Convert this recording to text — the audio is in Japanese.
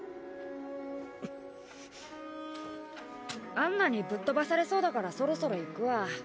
アンナにぶっ飛ばされそうだからそろそろ行くわ。